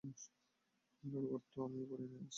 Underwear তো আমিও পরি নাই আজ!